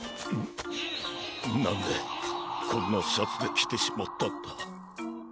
なんでこんなシャツできてしまったんだ。